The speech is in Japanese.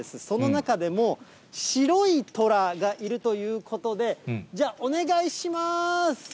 その中でも、白いトラがいるということで、じゃあ、お願いしまーす。